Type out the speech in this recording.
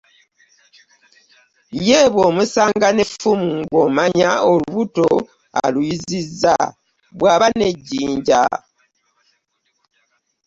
Ye bw'omusanga n'effumu ng'omanya olubuto aluyuzizza, bw'aba n'ejjinja